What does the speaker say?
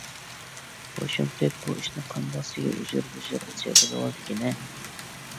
بۇ شۇمتەك بۇ ئىشنى قانداقسىغا ئۇجۇر - بۇجۇرىغىچە بىلىۋالدىكىنە؟